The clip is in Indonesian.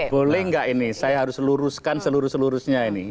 boleh nggak ini saya harus luruskan seluruh seluruhnya ini